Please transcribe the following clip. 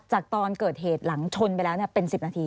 หัดตอนเกิดเหตุหลังชนไปแล้วเนี่ยเป็น๑๐นาที